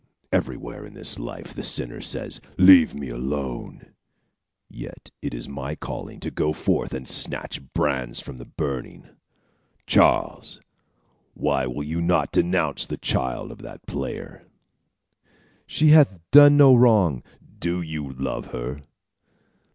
Everywhere in this life, the sinner says, 'Leave me alone,' yet it is my calling to go forth and snatch brands from the burning. Charles, why will you not denounce the child of that player?" "She hath done no wrong." "Do you love her?"